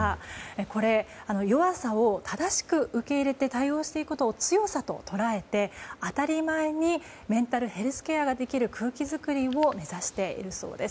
これ、弱さを正しく受け入れて対応していくことを強さと捉えて当たり前にメンタルヘルスケアができる空気作りを目指しているそうです。